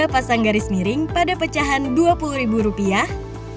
pasang garis miring pada pecahan dua puluh ribu rupiah